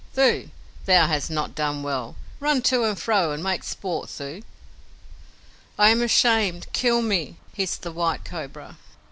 "Thuu, thou hast not done well. Run to and fro and make sport, Thuu!" "I am ashamed. Kill me!" hissed the White Cobra.